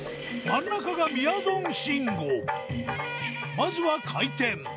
まずは回転